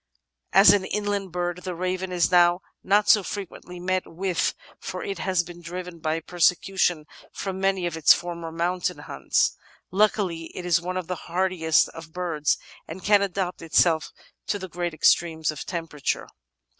As an inland bird the Raven is now not so frequently met with, for it has been driven by persecution from many of its former mountain haunts. Luckily it is one of the hardiest of birds and can adapt itself to great extremes of temperature.